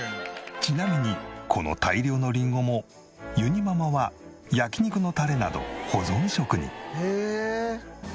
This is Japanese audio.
ちなみにこの大量のりんごもゆにママは焼肉のタレなど保存食に。